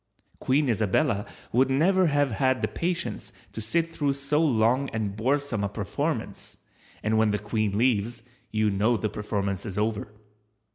Queen Isabella would never have had the patience to sit through so long and boresome a performance, and when the Queen leaves, you know the performance is over.